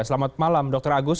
selamat malam dr agus